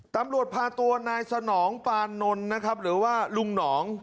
ตำรวจพาตัวนายสนองปานนนะครับหรือว่าลุงหนอง